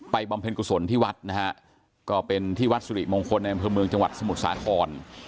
บำเพ็ญกุศลที่วัดนะฮะก็เป็นที่วัดสุริมงคลในอำเภอเมืองจังหวัดสมุทรสาคร